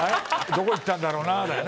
どこ行ったんだろうなだよね。